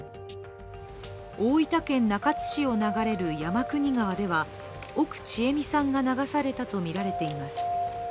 大分県中津市を流れる山国川では奥知恵美さんが流されたとみられています。